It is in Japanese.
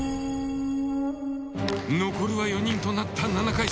残るは４人となった７回戦。